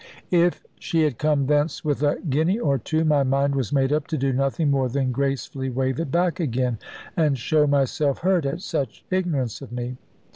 If she had come thence with a guinea or two, my mind was made up to do nothing more than gracefully wave it back again, and show myself hurt at such ignorance of me.